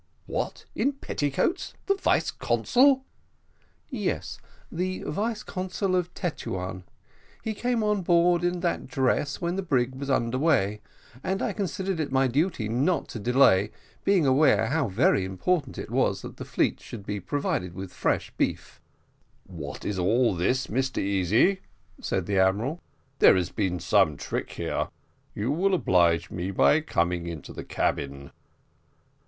"What, in petticoats! the vice consul?" "Yes, the vice consul of Tetuan. He came on board in that dress when the brig was under way, and I considered it my duty not to delay, being aware how very important it was that the fleet should be provided with fresh beef." "What is all this, Mr Easy?" said the admiral; "there has been some trick here. You will oblige me by coming into the cabin."